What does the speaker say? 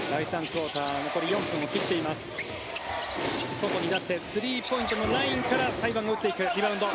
外に出してスリーポイントのラインから台湾打っていく、リバウンド。